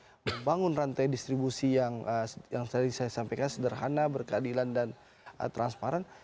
untuk membangun rantai distribusi yang tadi saya sampaikan sederhana berkeadilan dan transparan